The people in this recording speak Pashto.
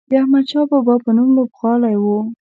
د احمدشاه بابا په نوم لوبغالی و.